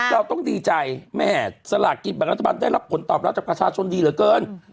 เราต้องดีใจแม่สลากกินแบ่งรัฐบาลได้รับผลตอบรับจากประชาชนดีเหลือเกิน